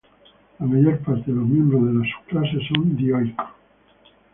La mayor parte de los miembros de subclase son dioicos.